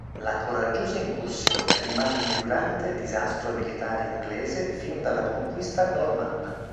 La coraggiosa incursione rimane il più grande disastro militare inglese fin dalla Conquista normanna.